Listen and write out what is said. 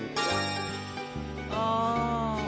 ああ。